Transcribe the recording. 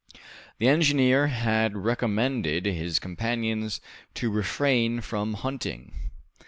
The engineer had recommended his companions to refrain from hunting.